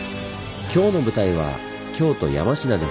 今日の舞台は京都・山科です。